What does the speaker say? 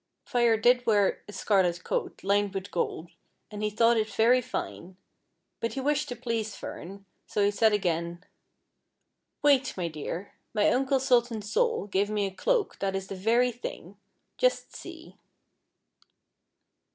Fire did wear a scarlet coat lined with gold, and he thought it very fine ; but he wished to please Fern, so he said again : "Wait, my dear, my uncle Sultan Sol gave me a cloak, that is the very thing. Just see."